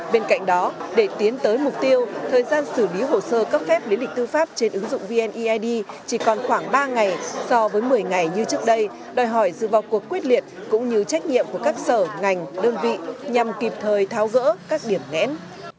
bên cạnh đó để tiến tới mục tiêu thời gian xử lý hồ sơ cấp phép lý lịch tư pháp trên ứng dụng vneid chỉ còn khoảng ba ngày so với một mươi ngày như trước đây đòi hỏi dựa vào cuộc quyết liệt cũng như trách nhiệm của các sở ngành đơn vị nhằm kịp thời tháo gỡ các điểm nghẽn